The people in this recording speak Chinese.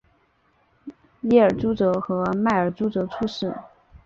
耶尔朱哲和迈尔朱哲出世。